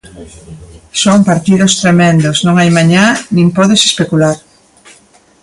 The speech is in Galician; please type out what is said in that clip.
Son partidos tremendos, non hai mañá nin podes especular.